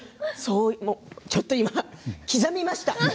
ちょっと今、刻みました。